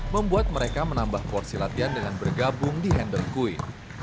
membuat mereka menambah porsi latihan dengan bergabung di handle que